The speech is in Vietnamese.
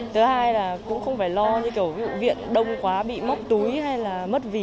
thứ hai là cũng không phải lo như kiểu viện đông quá bị móc túi hay là mất vị